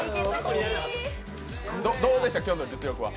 どうでした、きょんの実力は？